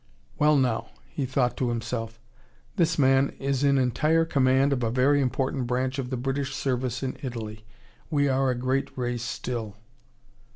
"Well, now," he thought to himself, "this man is in entire command of a very important branch of the British Service in Italy. We are a great race still."